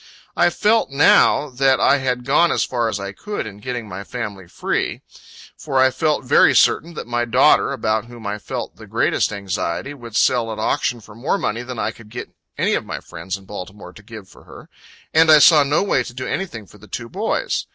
I felt now, that I had gone as far as I could in getting my family free; for I felt very certain that my daughter, about whom I felt the greatest anxiety, would sell at auction for more money than I could get any of my friends in Baltimore to give for her; and I saw no way to do any thing for the two boys.